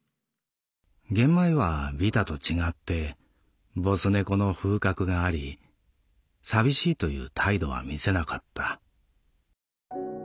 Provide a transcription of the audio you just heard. ゲンマイはビタと違ってボス猫の風格があり寂しいという態度は見せなかった」。